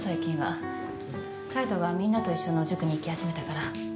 海斗がみんなと一緒の塾に行き始めたから。